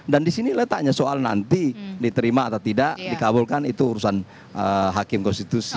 dan disini letaknya soal nanti diterima atau tidak dikabulkan itu urusan hakim konstitusi